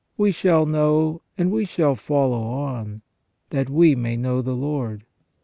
We shall know, and we shall follow on, that we may know the Lord.